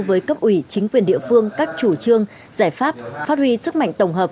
với cấp ủy chính quyền địa phương các chủ trương giải pháp phát huy sức mạnh tổng hợp